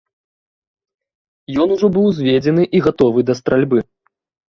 Ён ужо быў узведзены і гатовы да стральбы.